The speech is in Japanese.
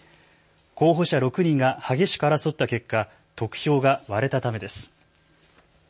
候補者６人が激しく争った結果、得票が割れたためです。